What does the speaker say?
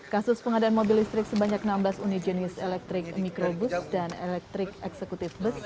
kasus pengadaan mobil listrik sebanyak enam belas unit jenis elektrik mikrobus dan elektrik eksekutif bus